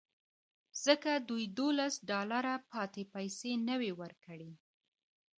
ځکه دوی دولس ډالره پاتې پیسې نه وې ورکړې